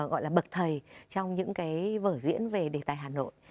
gọi là bậc thầy trong những cái vở diễn về đề tài hà nội